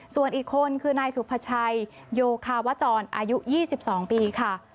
ส่วนอีกคนคือนายสุภาชัยโยคาวจรอายุ๒๒ปีค่ะ